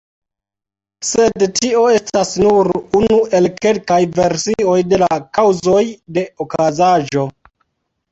Sed tio estas nur unu el kelkaj versioj de la kaŭzoj de okazaĵo.